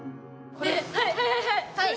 はい！